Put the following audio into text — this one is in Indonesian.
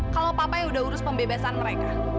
kalau papa yang udah urus pembebasan mereka